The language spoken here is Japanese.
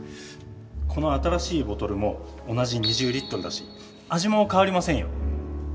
この新しいボトルも同じ２０だし味もかわりませんよ。